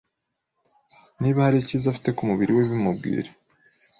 niba hari ikiza afite ku mubiri we bimubwire